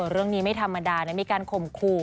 เรื่องนี้ไม่ธรรมดานะมีการข่มขู่